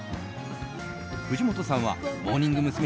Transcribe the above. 藤本さんはモーニング娘。